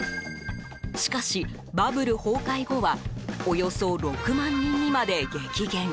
しかし、バブル崩壊後はおよそ６万人にまで激減。